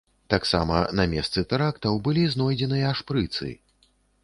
Таксама на месцы тэрактаў былі знойдзеныя шпрыцы.